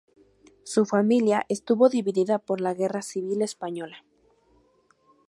Su familia estuvo dividida por la guerra civil española.